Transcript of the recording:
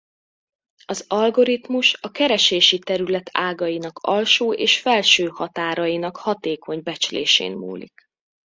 Az algoritmus a keresési terület ágainak alsó és felső határainak hatékony becslésén múlik.